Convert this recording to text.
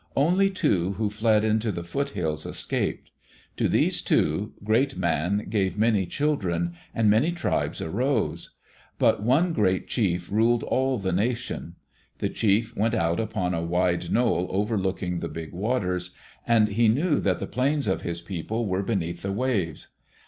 Only two who fled into the foothills escaped. To these two, Great Man gave many children, and many tribes arose. But one great chief ruled all the nation. The chief went out upon a wide knoll overlooking Big Waters, and he knew that the plains of his people were beneath the waves.